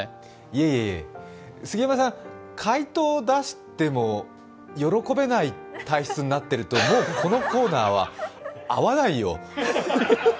いえいえいえ、杉山さん、回答を出しても喜べない体質になっているともう、このコーナーは合わないよ。